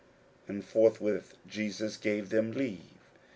41:005:013 And forthwith Jesus gave them leave.